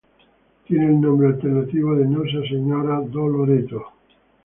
Tiene el nombre alternativo de Nossa Senhora do Loreto.